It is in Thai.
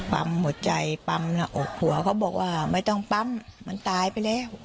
ปั๊มหัวใจปั๊มหน้าอกหัวเขาบอกว่าไม่ต้องปั๊มมันตายไปแล้ว